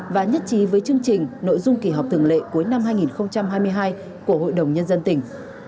và nhất trí với chương trình nội dung kỳ họp thường lệ cuối năm hai nghìn hai mươi hai của hội đồng nhân dân tỉnh